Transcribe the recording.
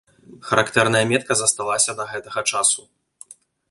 Характэрная метка засталася да гэтага часу.